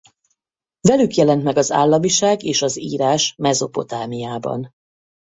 Velük jelent meg az államiság és az írás Mezopotámiában.